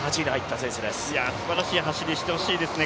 すばらしい走りしてほしいですね。